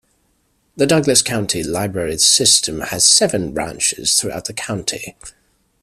The Douglas County Libraries system has seven branches throughout the county.